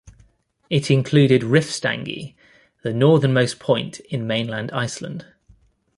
It included Rifstangi, the northernmost point in mainland Iceland.